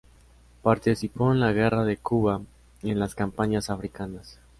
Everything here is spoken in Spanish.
Participó en la guerra de Cuba y en las campañas africanas.